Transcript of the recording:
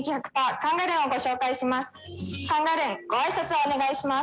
「カンガルン」ご挨拶をお願いします。